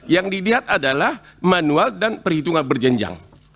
yang dilihat adalah manual dan perhitungan berjenjang